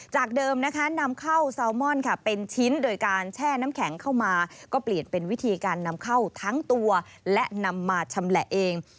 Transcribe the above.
เดิมนะคะนำเข้าซาวมอนค่ะเป็นชิ้นโดยการแช่น้ำแข็งเข้ามาก็เปลี่ยนเป็นวิธีการนำเข้าทั้งตัวและนำมาชำแหละเอง